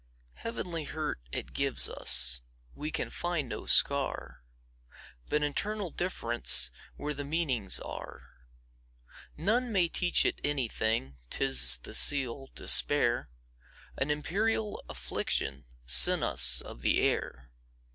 Heavenly hurt it gives us; We can find no scar, But internal differenceWhere the meanings are. None may teach it anything,'T is the seal, despair,—An imperial afflictionSent us of the air.